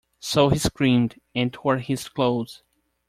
So he screamed and tore his clothes.